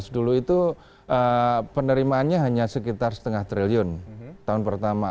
dulu itu penerimaannya hanya sekitar setengah triliun tahun pertama